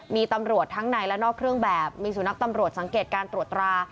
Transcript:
มีตำรวจทั้งในและนอกเครื่องแบบมีสุนัขตำรวจสังเกตการตรวจตรา